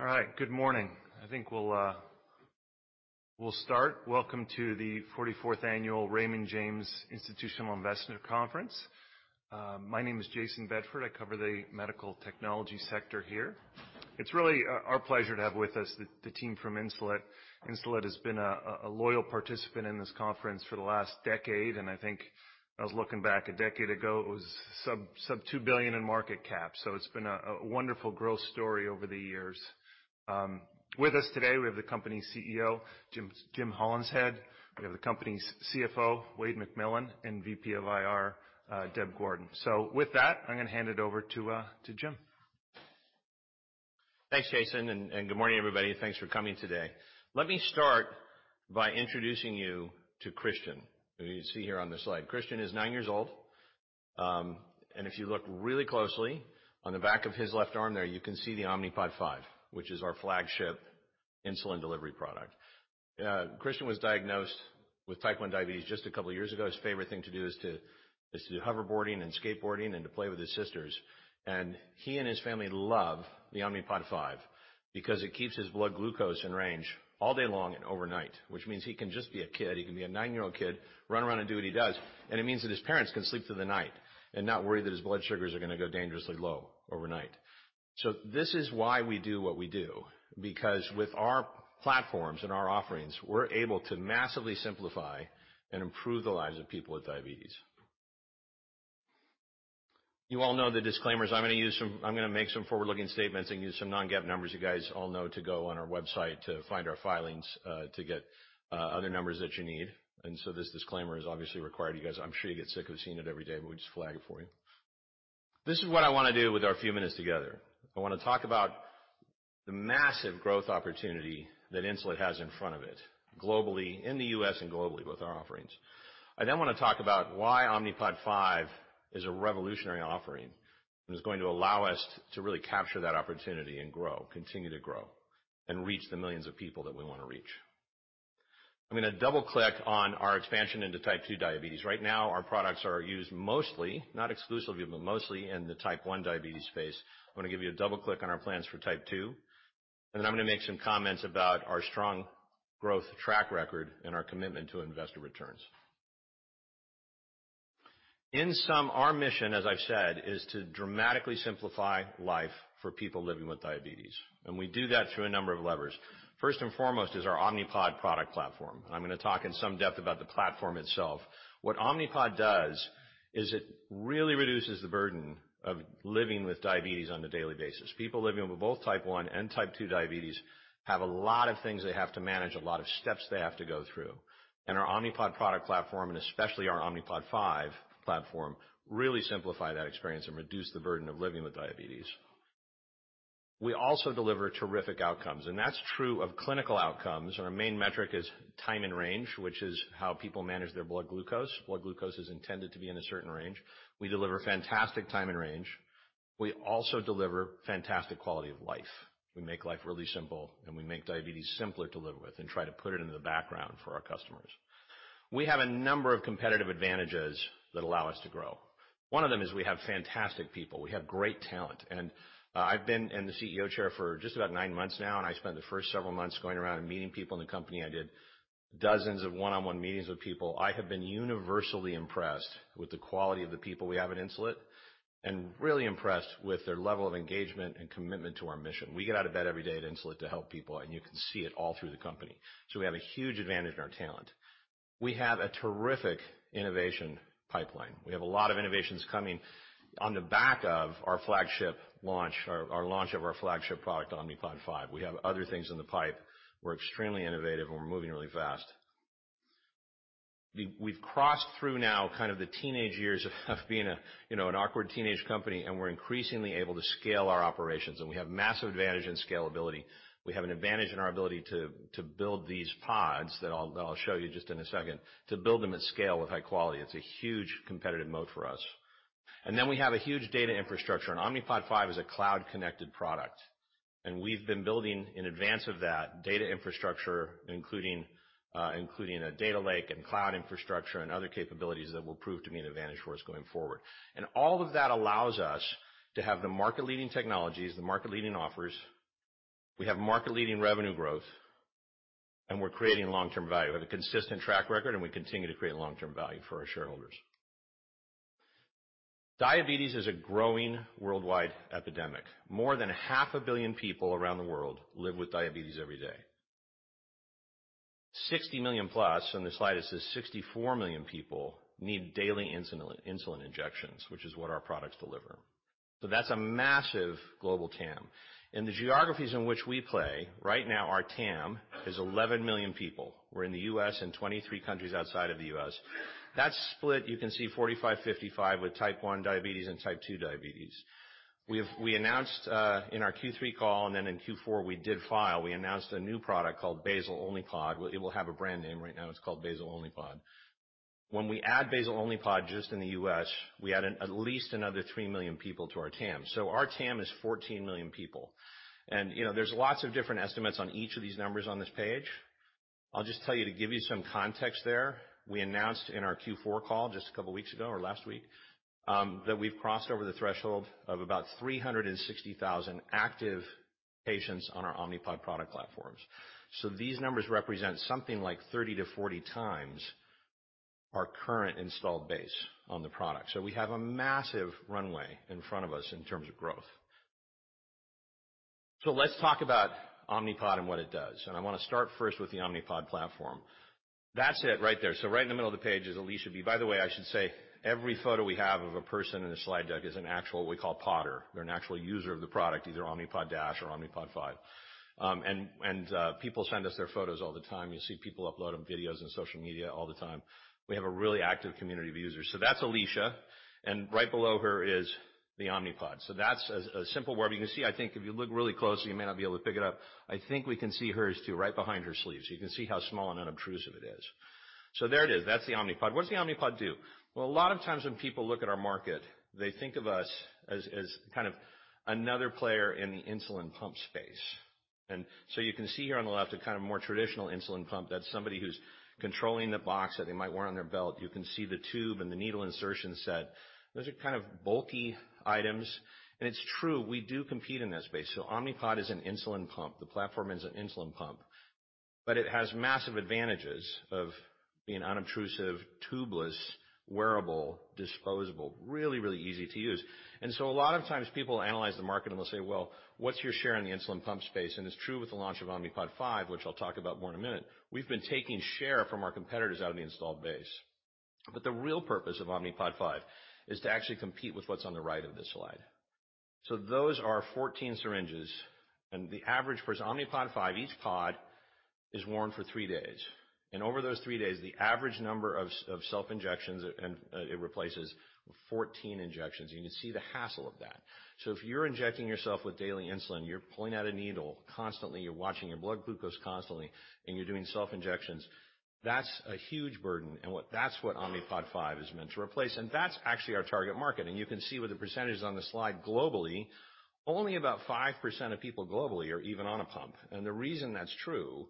All right. Good morning. I think we'll start. Welcome to the 44th annual Raymond James Institutional Investor Conference. My name is Jayson Bedford. I cover the medical technology sector here. It's really our pleasure to have with us the team from Insulet. Insulet has been a loyal participant in this conference for the last decade. I think I was looking back a decade ago, it was sub $2 billion in market cap. It's been a wonderful growth story over the years. With us today, we have the company's CEO, Jim Hollingshead. We have the company's CFO, Wayde McMillan, VP of IR, Deborah Gordon. With that, I'm going to hand it over to Jim. Thanks, Jayson, good morning, everybody, thanks for coming today. Let me start by introducing you to Christian, who you see here on the slide. Christian is nine years old, if you look really closely on the back of his left arm there, you can see the Omnipod 5, which is our flagship insulin delivery product. Christian was diagnosed with Type 1 diabetes just a couple years ago. His favorite thing to do is to do hoverboarding and skateboarding and to play with his sisters. He and his family love the Omnipod 5 because it keeps his blood glucose in range all day long and overnight, which means he can just be a kid. He can be a nine-year-old kid, run around and do what he does, and it means that his parents can sleep through the night and not worry that his blood sugars are going to go dangerously low overnight. This is why we do what we do, because with our platforms and our offerings, we're able to massively simplify and improve the lives of people with diabetes. You all know the disclaimers. I'm going to make some forward-looking statements and use some non-GAAP numbers. You guys all know to go on our website to find our filings, to get other numbers that you need. This disclaimer is obviously required. You guys, I'm sure, you get sick of seeing it every day, but we just flag it for you. This is what I want to do with our few minutes together. I wanna talk about the massive growth opportunity that Insulet has in front of it, globally, in the U.S. and globally with our offerings. I wanna talk about why Omnipod 5 is a revolutionary offering and is going to allow us to really capture that opportunity and grow, continue to grow, and reach the millions of people that we wanna reach. I'm gonna double-click on our expansion into Type 2 diabetes. Right now, our products are used mostly, not exclusively, but mostly in the Type 1 diabetes space. I wanna give you a double click on our plans for Type 2. I'm gonna make some comments about our strong growth track record and our commitment to investor returns. In sum, our mission, as I've said, is to dramatically simplify life for people living with diabetes, and we do that through a number of levers. First and foremost is our Omnipod product platform. I'm gonna talk in some depth about the platform itself. What Omnipod does is it really reduces the burden of living with diabetes on a daily basis. People living with both Type 1 and Type 2 diabetes have a lot of things they have to manage, a lot of steps they have to go through. Our Omnipod product platform, and especially our Omnipod 5 platform, really simplify that experience and reduce the burden of living with diabetes. We also deliver terrific outcomes, and that's true of clinical outcomes and our main metric is time in range, which is how people manage their blood glucose. Blood glucose is intended to be in a certain range. We deliver fantastic time in range. We also deliver fantastic quality of life. We make life really simple, and we make diabetes simpler to live with and try to put it into the background for our customers. We have a number of competitive advantages that allow us to grow. One of them is we have fantastic people. We have great talent. I've been in the CEO chair for just about nine months now, and I spent the first several months going around and meeting people in the company. I did dozens of one-on-one meetings with people. I have been universally impressed with the quality of the people we have at Insulet and really impressed with their level of engagement and commitment to our mission. We get out of bed every day at Insulet to help people, and you can see it all through the company. We have a huge advantage in our talent. We have a terrific innovation pipeline. We have a lot of innovations coming on the back of our flagship launch or our launch of our flagship product, Omnipod 5. We have other things in the pipe. We're extremely innovative, and we're moving really fast. We've crossed through now kind of the teenage years of being a, you know, an awkward teenage company, and we're increasingly able to scale our operations, and we have massive advantage and scalability. We have an advantage in our ability to build these pods that I'll, that I'll show you just in a second, to build them at scale with high quality. It's a huge competitive mode for us. We have a huge data infrastructure, and Omnipod 5 is a cloud-connected product. We've been building in advance of that data infrastructure, including a data lake and cloud infrastructure and other capabilities that will prove to be an advantage for us going forward. All of that allows us to have the market-leading technologies, the market-leading offers. We have market-leading revenue growth, and we're creating long-term value. We have a consistent track record, and we continue to create long-term value for our shareholders. Diabetes is a growing worldwide epidemic. More than half a billion people around the world live with Diabetes every day. 60 million+, in the slide it says 64 million people, need daily insulin injections, which is what our products deliver. That's a massive global TAM. In the geographies in which we play, right now, our TAM is 11 million people. We're in the U.S. and 23 countries outside of the U.S. That's split, you can see 45, 55 with Type 1 diabetes and Type 2 diabetes. We announced in our Q3 call and then in Q4 we did file, we announced a new product called Basal-Only Pod. Well, it will have a brand name. Right now, it's called Basal-Only Pod. When we add Basal-Only Pod just in the U.S., we add at least another 3 million people to our TAM. Our TAM is 14 million people. You know, there's lots of different estimates on each of these numbers on this page. I'll just tell you to give you some context there. We announced in our Q4 call just a couple weeks ago or last week, that we've crossed over the threshold of about 360,000 active patients on our Omnipod product platforms. These numbers represent something like 30-40x our current installed base on the product. We have a massive runway in front of us in terms of growth. Let's talk about Omnipod and what it does, and I want to start first with the Omnipod platform. That's it right there. Right in the middle of the page is Alicia B. By the way, I should say, every photo we have of a person in a slide deck is an actual what we call Podder. They're an actual user of the product, either Omnipod DASH or Omnipod 5. People send us their photos all the time. You see people uploading videos on social media all the time. We have a really active community of users. That's Alicia, and right below her is the Omnipod. That's a simple wearable. You can see, I think if you look really closely, you may not be able to pick it up. I think we can see hers too, right behind her sleeves. You can see how small and unobtrusive it is. There it is. That's the Omnipod. What does the Omnipod do? Well, a lot of times when people look at our market, they think of us as kind of another player in the insulin pump space. You can see here on the left a kind of more traditional insulin pump. That's somebody who's controlling the box that they might wear on their belt. You can see the tube and the needle insertion set. Those are kind of bulky items. It's true, we do compete in that space. Omnipod is an insulin pump. The platform is an insulin pump, but it has massive advantages of being unobtrusive, tubeless, wearable, disposable, really easy to use. A lot of times people analyze the market, and they'll say, "Well, what's your share in the insulin pump space?" It's true with the launch of Omnipod 5, which I'll talk about more in a minute. We've been taking share from our competitors out of the installed base. The real purpose of Omnipod 5 is to actually compete with what's on the right of this slide. Those are 14 syringes, and for Omnipod 5, each pod is worn for three days. Over those three days, the average number of self injections it replaces 14 injections. You can see the hassle of that. If you're injecting yourself with daily insulin, you're pulling out a needle constantly, you're watching your blood glucose constantly, and you're doing self injections, that's a huge burden. That's what Omnipod 5 is meant to replace. That's actually our target market. You can see with the percentages on the slide globally, only about 5% of people globally are even on a pump. The reason that's true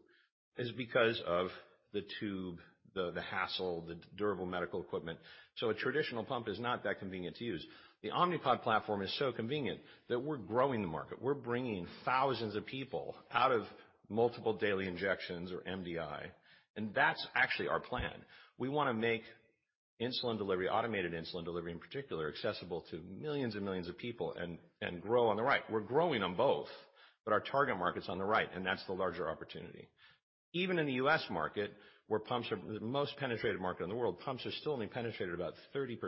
is because of the tube, the hassle, the durable medical equipment. A traditional pump is not that convenient to use. The Omnipod platform is so convenient that we're growing the market. We're bringing thousands of people out of multiple daily injections or MDI, and that's actually our plan. We wanna make insulin delivery, automated insulin delivery in particular, accessible to millions and millions of people and grow on the right. We're growing on both, but our target market's on the right, and that's the larger opportunity. Even in the U.S. market, where pumps are the most penetrated market in the world, pumps are still only penetrated about 30%,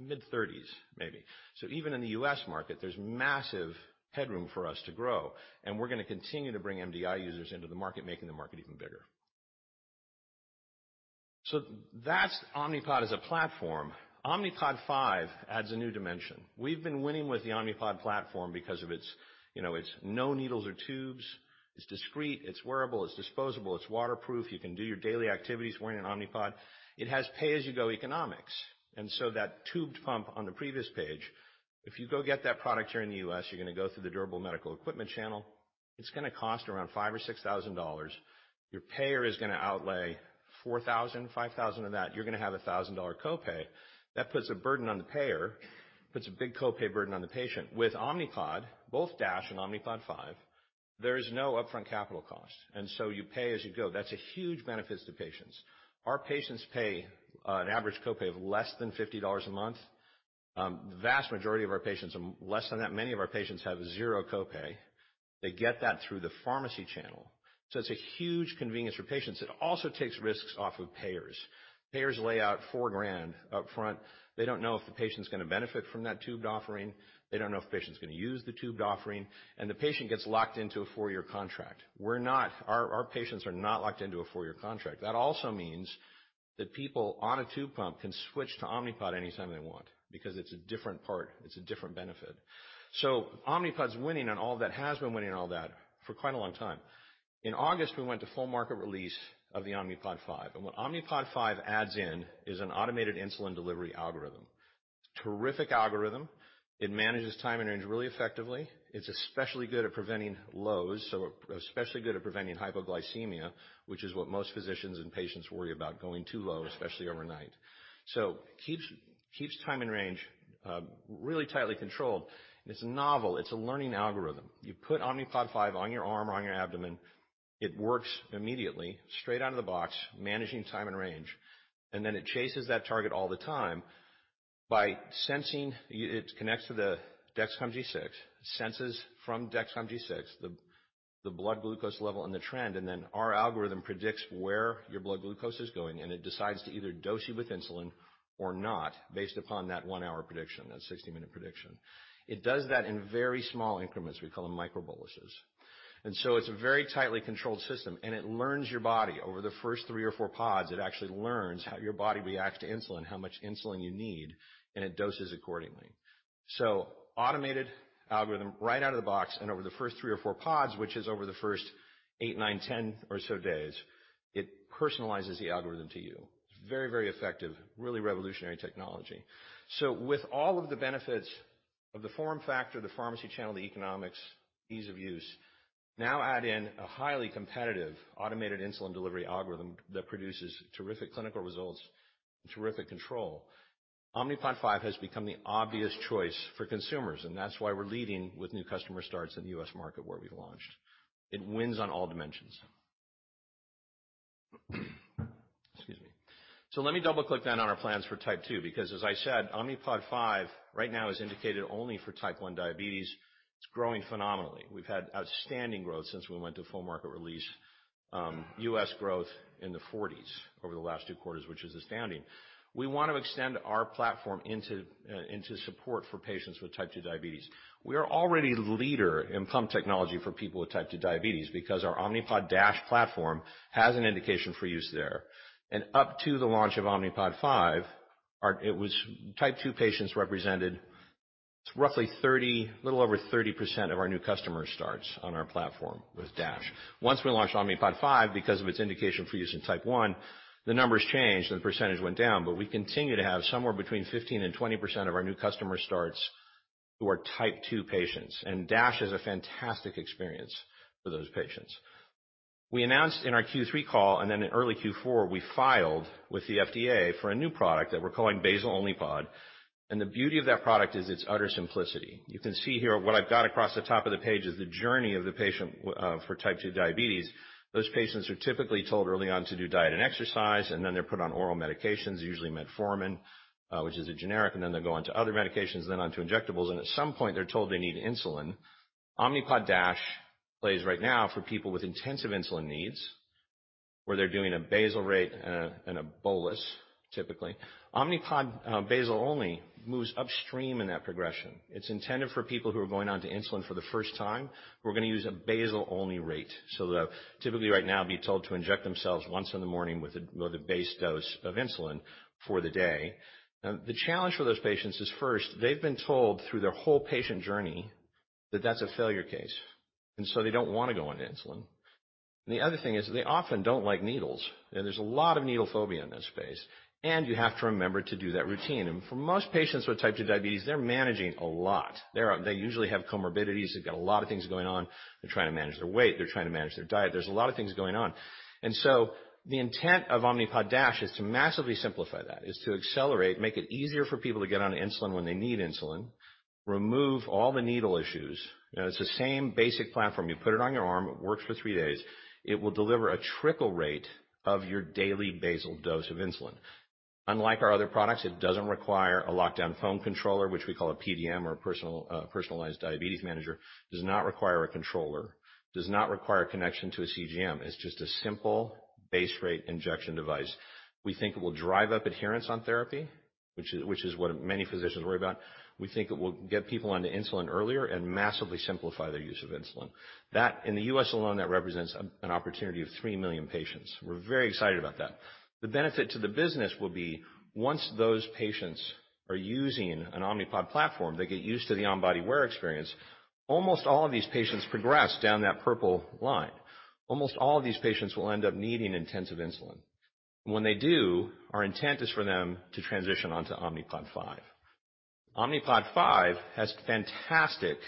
mid-30s, maybe. Even in the U.S. market, there's massive headroom for us to grow, and we're gonna continue to bring MDI users into the market, making the market even bigger. That's Omnipod as a platform. Omnipod 5 adds a new dimension. We've been winning with the Omnipod platform because of its, you know, its no needles or tubes, it's discreet, it's wearable, it's disposable, it's waterproof. You can do your daily activities wearing an Omnipod. It has pay-as-you-go economics. That tubed pump on the previous page, if you go get that product here in the U.S., you're gonna go through the durable medical equipment channel. It's gonna cost around $5,000 or $6,000. Your payer is gonna outlay $4,000, $5,000 of that. You're gonna have a $1,000 copay. That puts a burden on the payer, puts a big copay burden on the patient. With Omnipod, both DASH and Omnipod 5, there is no upfront capital cost, you pay as you go. That's a huge benefit to patients. Our patients pay an average copay of less than $50 a month. The vast majority of our patients are less than that. Many of our patients have zero copay. They get that through the pharmacy channel. It's a huge convenience for patients. It also takes risks off of payers. Payers lay out $4 grand upfront. They don't know if the patient's gonna benefit from that tubed offering. They don't know if the patient's gonna use the tubed offering, and the patient gets locked into a four-year contract. Our patients are not locked into a four-year contract. That also means that people on a tube pump can switch to Omnipod anytime they want because it's a different part, it's a different benefit. Omnipod's winning on all that, has been winning on all that for quite a long time. In August, we went to full market release of the Omnipod 5. What Omnipod 5 adds in is an automated insulin delivery algorithm. Terrific algorithm. It manages time in range really effectively. It's especially good at preventing lows, so especially good at preventing hypoglycemia, which is what most physicians and patients worry about, going too low, especially overnight. Keeps time in range really tightly controlled. It's novel. It's a learning algorithm. You put Omnipod 5 on your arm or on your abdomen. It works immediately, straight out of the box, managing time in range. It chases that target all the time by sensing. It connects to the Dexcom G6, senses from Dexcom G6, the blood glucose level and the trend, and then our algorithm predicts where your blood glucose is going, and it decides to either dose you with insulin or not based upon that one-hour prediction, that 60-minute prediction. It does that in very small increments. We call them microboluses. It's a very tightly controlled system, and it learns your body. Over the first three or four pods, it actually learns how your body reacts to insulin, how much insulin you need, and it doses accordingly. Automated algorithm right out of the box and over the first three or four pods, which is over the first eight, nine, 10 or so days, it personalizes the algorithm to you. Very, very effective, really revolutionary technology. With all of the benefits of the form factor, the pharmacy channel, the economics, ease of use. Now add in a highly competitive automated insulin delivery algorithm that produces terrific clinical results and terrific control. Omnipod 5 has become the obvious choice for consumers, and that's why we're leading with new customer starts in the U.S. market where we've launched. It wins on all dimensions. Excuse me. Let me double click then on our plans for Type 2, because as I said, Omnipod 5 right now is indicated only for Type 1 diabetes. It's growing phenomenally. We've had outstanding growth since we went to full market release, U.S. growth in the 40s over the last two quarters, which is astounding. We wanna extend our platform into support for patients with Type 2 diabetes. We are already leader in pump technology for people with Type 2 diabetes because our Omnipod DASH platform has an indication for use there. Up to the launch of Omnipod 5, Type 2 patients represented roughly 30%-little over 30% of our new customer starts on our platform with DASH. Once we launched Omnipod 5 because of its indication for use in Type 1, the numbers changed and the percentage went down. We continue to have somewhere between 15%-20% of our new customer starts who are Type 2 patients, and DASH is a fantastic experience for those patients. We announced in our Q3 call, and then in early Q4, we filed with the FDA for a new product that we're calling Basal-Only Pod. The beauty of that product is its utter simplicity. You can see here what I've got across the top of the page is the journey of the patient for Type 2 diabetes. Those patients are typically told early on to do diet and exercise, and then they're put on oral medications, usually metformin, which is a generic, and then they go on to other medications, then onto injectables, and at some point they're told they need insulin. Omnipod DASH plays right now for people with intensive insulin needs, where they're doing a basal rate and a bolus typically. Omnipod Basal Only moves upstream in that progression. It's intended for people who are going on to insulin for the first time, who are gonna use a basal-only rate. They'll typically right now be told to inject themselves 1 in the morning with a base dose of insulin for the day. The challenge for those patients is, first, they've been told through their whole patient journey that that's a failure case, they don't wanna go on insulin. The other thing is they often don't like needles. You know, there's a lot of needle phobia in this space, you have to remember to do that routine. For most patients with Type 2 diabetes, they usually have comorbidities. They've got a lot of things going on. They're trying to manage their weight. They're trying to manage their diet. There's a lot of things going on. The intent of Omnipod DASH is to massively simplify that, is to accelerate, make it easier for people to get on insulin when they need insulin, remove all the needle issues. You know, it's the same basic platform. You put it on your arm. It works for three days. It will deliver a trickle rate of your daily basal dose of insulin. Unlike our other products, it doesn't require a lockdown phone controller, which we call a PDM or personal, personalized diabetes manager. Does not require a controller. Does not require connection to a CGM. It's just a simple base rate injection device. We think it will drive up adherence on therapy, which is what many physicians worry about. We think it will get people onto insulin earlier and massively simplify their use of insulin. In the U.S. alone, that represents an opportunity of 3 million patients. We're very excited about that. The benefit to the business will be once those patients are using an Omnipod platform, they get used to the on-body wear experience. Almost all of these patients progress down that purple line. Almost all of these patients will end up needing intensive insulin. When they do, our intent is for them to transition onto Omnipod 5. Omnipod 5 has fantastic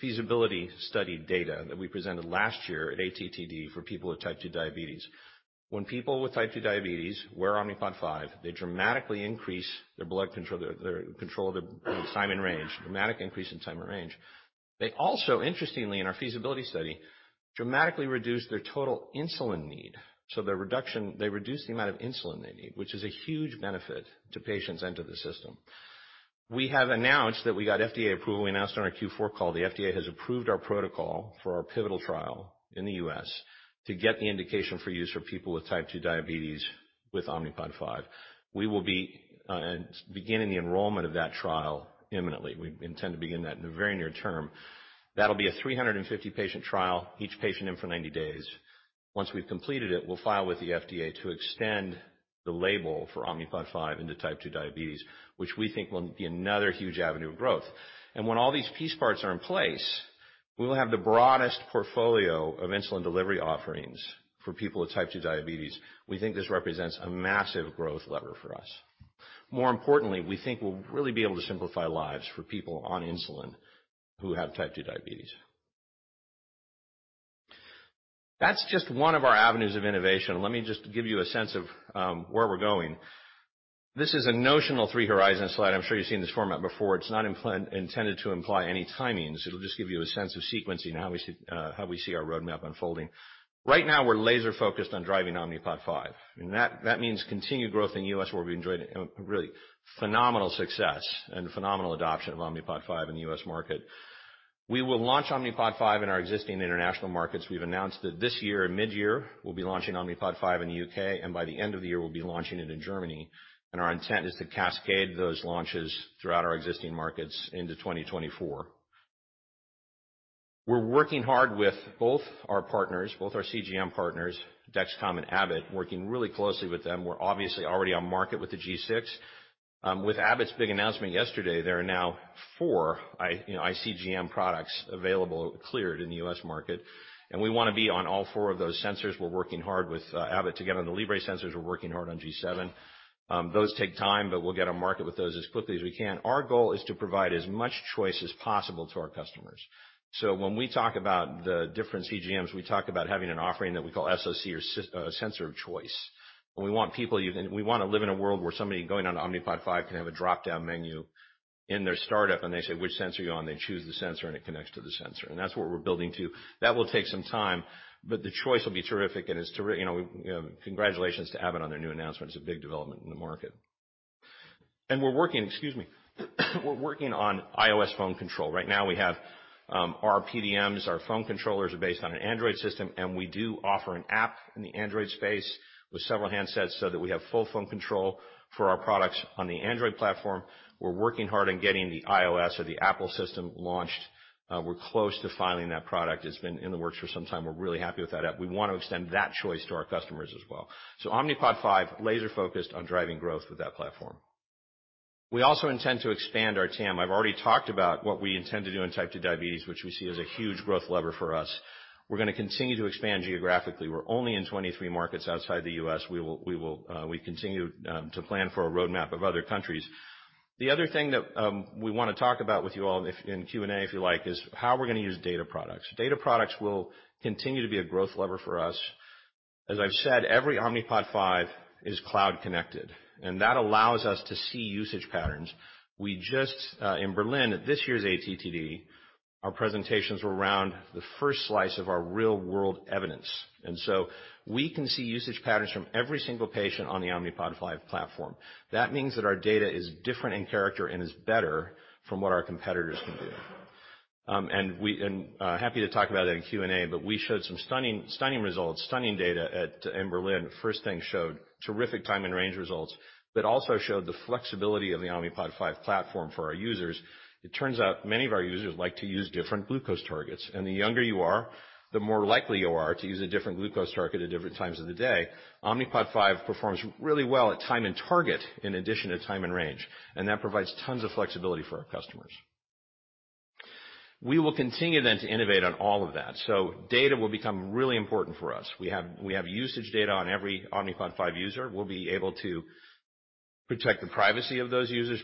feasibility study data that we presented last year at ATTD for people with Type 2 diabetes. When people with Type 2 diabetes wear Omnipod 5, they dramatically increase their blood control, their control of their time in range, dramatic increase in time in range. They also, interestingly, in our feasibility study, dramatically reduced their total insulin need. They reduced the amount of insulin they need, which is a huge benefit to patients and to the system. We have announced that we got FDA approval. We announced on our Q4 call. The FDA has approved our protocol for our pivotal trial in the U.S. to get the indication for use for people with Type 2 diabetes with Omnipod 5. We will be beginning the enrollment of that trial imminently. We intend to begin that in the very near term. That'll be a 350 patient trial, each patient in for 90 days. Once we've completed it, we'll file with the FDA to extend the label for Omnipod 5 into Type 2 diabetes, which we think will be another huge avenue of growth. When all these piece parts are in place, we will have the broadest portfolio of insulin delivery offerings for people with Type 2 diabetes. We think this represents a massive growth lever for us. More importantly, we think we'll really be able to simplify lives for people on insulin who have Type 2 diabetes. That's just one of our avenues of innovation. Let me just give you a sense of where we're going. This is a notional 3 horizon slide. I'm sure you've seen this format before. It's not intended to imply any timings. It'll just give you a sense of sequencing, how we see how we see our roadmap unfolding. Right now, we're laser focused on driving Omnipod 5, and that means continued growth in U.S., where we enjoyed a really phenomenal success and phenomenal adoption of Omnipod 5 in the U.S. market. We will launch Omnipod 5 in our existing international markets. We've announced that this year, in midyear, we'll be launching Omnipod 5 in the U.K., and by the end of the year, we'll be launching it in Germany. Our intent is to cascade those launches throughout our existing markets into 2024. We're working hard with both our partners, both our CGM partners, Dexcom and Abbott, working really closely with them. We're obviously already on market with the G6. With Abbott's big announcement yesterday, there are now four you know, ICGM products available, cleared in the U.S. market, and we wanna be on all four of those sensors. We're working hard with Abbott to get on the Libre sensors. We're working hard on G7. Those take time, but we'll get to market with those as quickly as we can. Our goal is to provide as much choice as possible to our customers. When we talk about the different CGMs, we talk about having an offering that we call SoC or sensor of choice. We want people and we wanna live in a world where somebody going on to Omnipod 5 can have a drop-down menu in their startup, and they say, "Which sensor are you on?" They choose the sensor, and it connects to the sensor. That's what we're building to. That will take some time, but the choice will be terrific and is, you know, we, you know, congratulations to Abbott on their new announcement. It's a big development in the market. We're working. Excuse me. We're working on iOS phone control. Right now we have our PDMs. Our phone controllers are based on an Android system, and we do offer an app in the Android space with several handsets so that we have full phone control for our products on the Android platform. We're working hard on getting the iOS or the Apple system launched. We're close to filing that product. It's been in the works for some time. We're really happy with that app. We wanna extend that choice to our customers as well. Omnipod 5, laser-focused on driving growth with that platform. We also intend to expand our TAM. I've already talked about what we intend to do in Type 2 diabetes, which we see as a huge growth lever for us. We're gonna continue to expand geographically. We're only in 23 markets outside the U.S. We've continued to plan for a roadmap of other countries. The other thing that we wanna talk about with you all if in Q&A, if you like, is how we're gonna use data products. Data products will continue to be a growth lever for us. As I've said, every Omnipod 5 is cloud connected. That allows us to see usage patterns. We just in Berlin, at this year's ATTD, our presentations were around the first slice of our real-world evidence. We can see usage patterns from every single patient on the Omnipod 5 platform. That means that our data is different in character and is better from what our competitors can do. Happy to talk about that in Q&A, but we showed some stunning results, stunning data at, in Berlin. First thing showed terrific time in range results, also showed the flexibility of the Omnipod 5 platform for our users. It turns out many of our users like to use different glucose targets, the younger you are, the more likely you are to use a different glucose target at different times of the day. Omnipod 5 performs really well at time and target in addition to time in range, that provides tons of flexibility for our customers. We will continue then to innovate on all of that. Data will become really important for us. We have usage data on every Omnipod 5 user. We'll be able to protect the privacy of those users,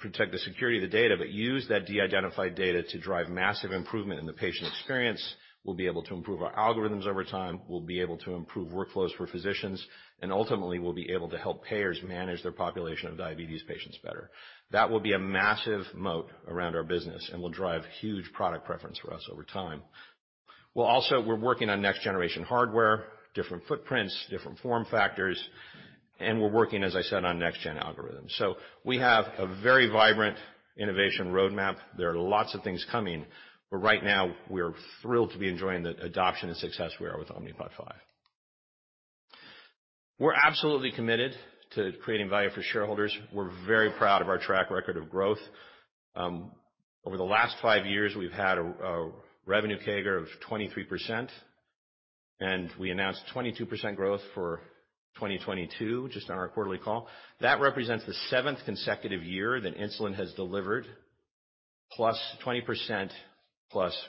protect the security of the data, but use that de-identified data to drive massive improvement in the patient experience. We'll be able to improve our algorithms over time. We'll be able to improve workflows for physicians, ultimately, we'll be able to help payers manage their population of diabetes patients better. That will be a massive moat around our business and will drive huge product preference for us over time. We're working on next-generation hardware, different footprints, different form factors, and we're working, as I said, on next-gen algorithms. We have a very vibrant innovation roadmap. There are lots of things coming, right now, we're thrilled to be enjoying the adoption and success we are with Omnipod 5. We're absolutely committed to creating value for shareholders. We're very proud of our track record of growth. Over the last five years, we've had a revenue CAGR of 23%, and we announced 22% growth for 2022 just on our quarterly call. That represents the seventh consecutive year that Insulet has delivered +20%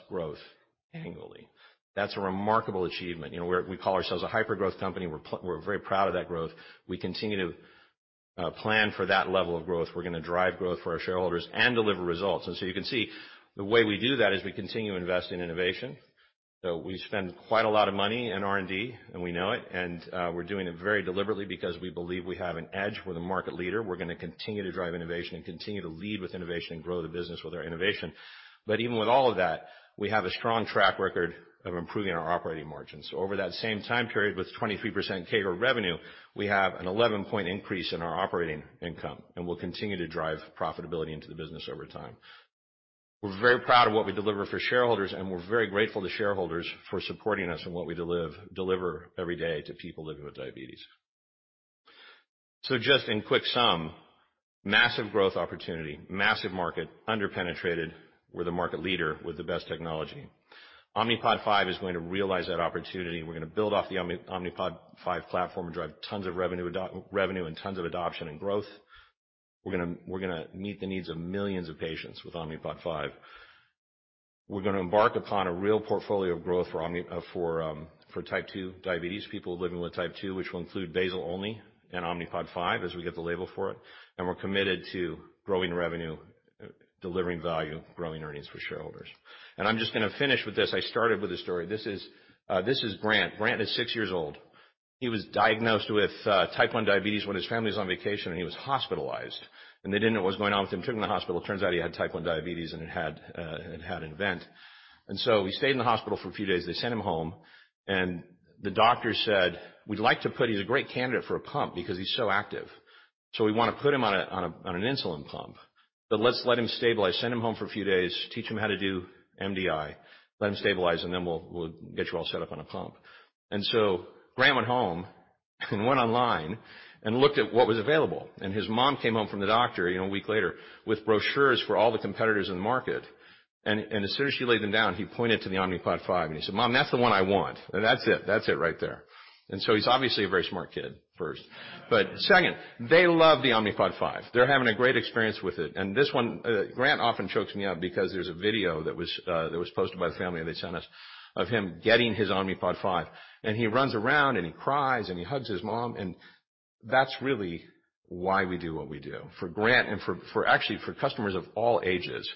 growth annually. That's a remarkable achievement. You know, we call ourselves a hyper-growth company. We're very proud of that growth. We continue to plan for that level of growth. We're gonna drive growth for our shareholders and deliver results. You can see the way we do that is we continue to invest in innovation. We spend quite a lot of money in R&D, and we know it, and we're doing it very deliberately because we believe we have an edge. We're the market leader. We're gonna continue to drive innovation and continue to lead with innovation and grow the business with our innovation. Even with all of that, we have a strong track record of improving our operating margins. Over that same time period, with 23% CAGR revenue, we have an 11-point increase in our operating income and will continue to drive profitability into the business over time. We're very proud of what we deliver for shareholders, and we're very grateful to shareholders for supporting us in what we deliver every day to people living with diabetes. Just in quick sum, massive growth opportunity, massive market, under-penetrated. We're the market leader with the best technology. Omnipod 5 is going to realize that opportunity. We're gonna build off the Omnipod 5 platform and drive tons of revenue and tons of adoption and growth. We're gonna meet the needs of millions of patients with Omnipod 5. We're gonna embark upon a real portfolio of growth for Type 2 diabetes, people living with Type 2, which will include basal-only and Omnipod 5 as we get the label for it. We're committed to growing revenue, delivering value, growing earnings for shareholders. I'm just gonna finish with this. I started with this story. This is Brandt. Brandt is six years old. He was diagnosed with Type 1 diabetes when his family was on vacation, and he was hospitalized. They didn't know what was going on with him. Took him to the hospital. Turns out he had Type 1 diabetes, and it had an event. He stayed in the hospital for a few days. They sent him home, and the doctor said, "We'd like to put... He's a great candidate for a pump because he's so active. We wanna put him on an insulin pump. Let's let him stabilize, send him home for a few days, teach him how to do MDI, let him stabilize, and then we'll get you all set up on a pump. Brandt went home. Went online and looked at what was available. His mom came home from the doctor, you know, a week later with brochures for all the competitors in the market. As soon as she laid them down, he pointed to the Omnipod 5, and he said, "Mom, that's the one I want. That's it. That's it right there." He's obviously a very smart kid, first. Second, they love the Omnipod 5. They're having a great experience with it. This one, Grant often chokes me up because there's a video that was posted by the family they sent us of him getting his Omnipod 5, and he runs around and he cries and he hugs his mom, and that's really why we do what we do. For Grant and for actually for customers of all ages,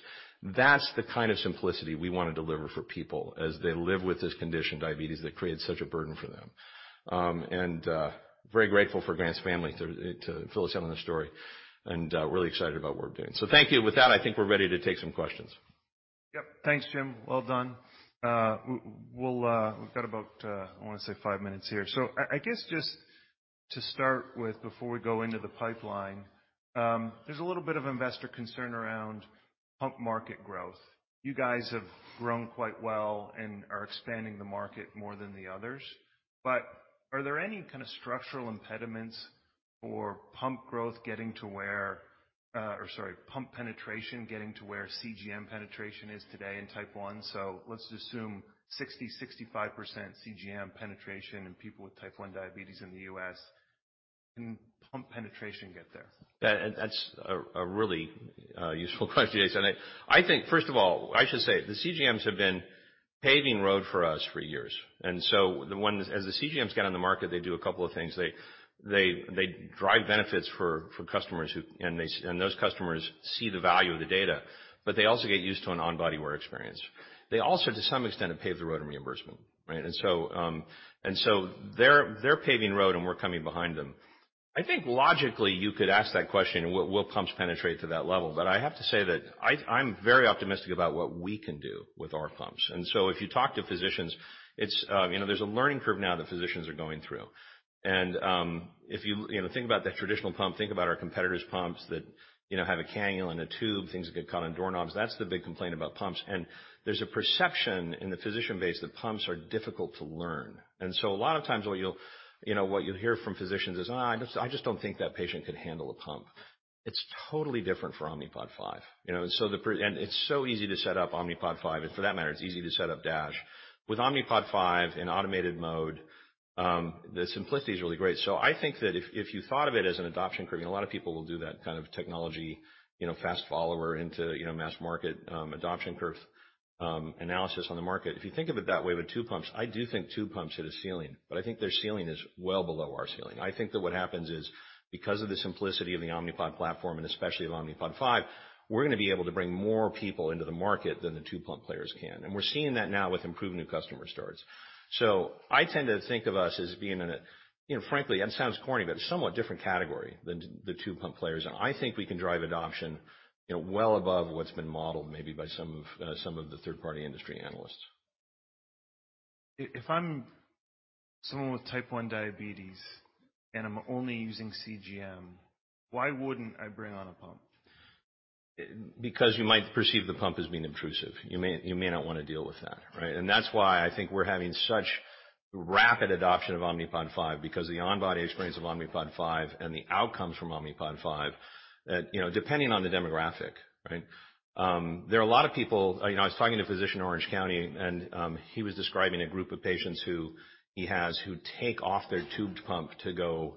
that's the kind of simplicity we wanna deliver for people as they live with this condition, diabetes, that creates such a burden for them. Very grateful for Grant's family to fill us in on the story and really excited about what we're doing. Thank you. With that, I think we're ready to take some questions. Yep. Thanks, Jim. Well done. We'll we've got about, I wanna say five minutes here. I guess just to start with, before we go into the pipeline, there's a little bit of investor concern around pump market growth. You guys have grown quite well and are expanding the market more than the others, but are there any kind of structural impediments for pump growth getting to where, or sorry, pump penetration getting to where CGM penetration is today in Type 1? Let's assume 60-65% CGM penetration in people with Type 1 diabetes in the U.S. Can pump penetration get there? That's a really useful question, Jayson. I think, first of all, I should say the CGMs have been paving road for us for years. So as the CGMs get on the market they do a couple of things. They drive benefits for customers who... Those customers see the value of the data. They also get used to an on-body wear experience. They also, to some extent, have paved the road in reimbursement, right? They're paving road, and we're coming behind them. I think logically you could ask that question, "Will pumps penetrate to that level?" I have to say that I'm very optimistic about what we can do with our pumps. If you talk to physicians, it's, you know, there's a learning curve now that physicians are going through. If you know, think about the traditional pump, think about our competitors' pumps that, you know, have a cannula and a tube, things that get caught on doorknobs. That's the big complaint about pumps. There's a perception in the physician base that pumps are difficult to learn. A lot of times what you'll, you know, what you'll hear from physicians is, "Oh, I just don't think that patient could handle a pump." It's totally different for Omnipod 5, you know. It's so easy to set up Omnipod 5, and for that matter, it's easy to set up DASH. With Omnipod 5 in automated mode, the simplicity is really great. I think that if you thought of it as an adoption curve, you know, a lot of people will do that kind of technology, you know, fast follower into, you know, mass market, adoption curve, analysis on the market. If you think of it that way with two pumps, I do think two pumps hit a ceiling, but I think their ceiling is well below our ceiling. I think that what happens is, because of the simplicity of the Omnipod platform, and especially of Omnipod 5, we're gonna be able to bring more people into the market than the two pump players can. We're seeing that now with improved new customer starts. I tend to think of us as being in a, you know, frankly, that sounds corny but somewhat different category than the two pump players. I think we can drive adoption, you know, well above what's been modeled maybe by some of the third-party industry analysts. If I'm someone with Type 1 diabetes, and I'm only using CGM, why wouldn't I bring on a pump? Because you might perceive the pump as being intrusive. You may not wanna deal with that, right? That's why I think we're having such rapid adoption of Omnipod 5 because the on body experience of Omnipod 5 and the outcomes from Omnipod 5, you know, depending on the demographic, right? There are a lot of people. You know, I was talking to a physician in Orange County and he was describing a group of patients who he has who take off their tubed pump to go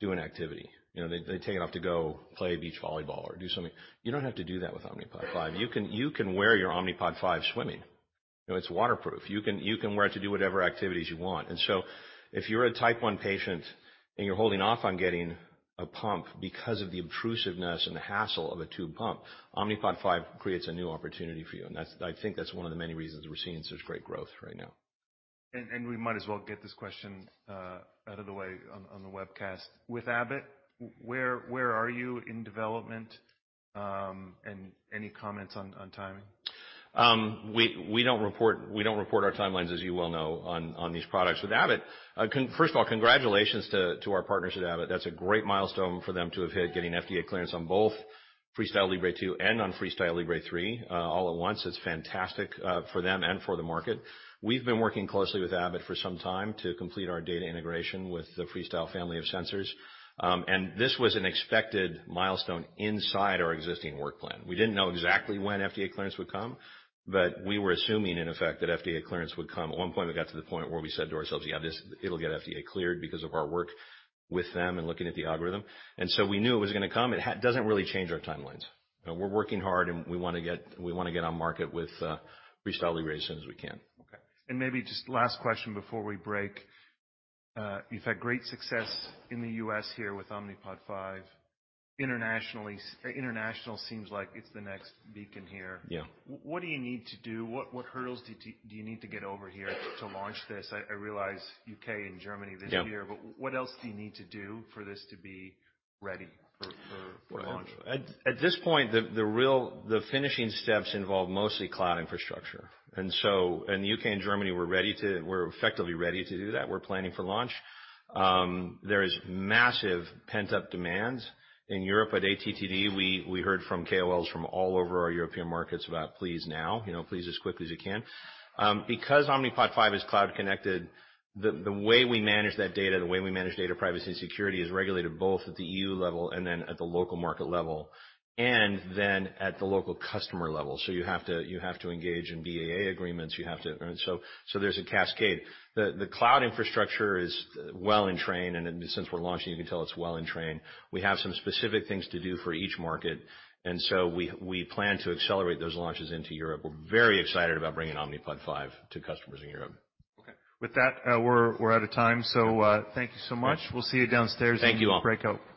do an activity. You know, they take it off to go play beach volleyball or do something. You don't have to do that with Omnipod 5. You can wear your Omnipod 5 swimming. You know, it's waterproof. You can wear it to do whatever activities you want. If you're a Type 1 patient, and you're holding off on getting a pump because of the intrusiveness and the hassle of a tube pump, Omnipod 5 creates a new opportunity for you. I think that's one of the many reasons we're seeing such great growth right now. We might as well get this question out of the way on the webcast. With Abbott, where are you in development? Any comments on timing? We, we don't report, we don't report our timelines, as you well know, on these products. With Abbott, first of all, congratulations to our partners at Abbott. That's a great milestone for them to have hit getting FDA clearance on both FreeStyle Libre 2 and on FreeStyle Libre 3, all at once. It's fantastic for them and for the market. We've been working closely with Abbott for some time to complete our data integration with the FreeStyle family of sensors. This was an expected milestone inside our existing work plan. We didn't know exactly when FDA clearance would come, but we were assuming, in effect, that FDA clearance would come. At one point, we got to the point where we said to ourselves, "Yeah, this... It'll get FDA cleared because of our work with them and looking at the algorithm. We knew it was gonna come. It doesn't really change our timelines. You know, we're working hard, and we wanna get on market with FreeStyle Libre as soon as we can. Okay. Maybe just last question before we break. You've had great success in the U.S. here with Omnipod 5. Internationally, international seems like it's the next beacon here. Yeah. What do you need to do? What hurdles do you need to get over here to launch this? I realize U.K. and Germany this year. Yeah. What else do you need to do for this to be ready for launch? At this point, the finishing steps involve mostly cloud infrastructure. In the U.K. and Germany, we're effectively ready to do that. We're planning for launch. There is massive pent-up demand in Europe at ATTD. We heard from KOLs from all over our European markets about, please now, you know, please as quickly as you can. Omnipod 5 is cloud connected, the way we manage that data, the way we manage data privacy and security is regulated both at the E.U. level and then at the local market level, and then at the local customer level. You have to engage in BAA agreements. You have to... There's a cascade. The cloud infrastructure is well in train, and since we're launching you can tell it's well in train. We have some specific things to do for each market. We plan to accelerate those launches into Europe. We're very excited about bringing Omnipod 5 to customers in Europe. Okay. With that, we're out of time. Thank you so much. Great. We'll see you downstairs. Thank you all. when we break out.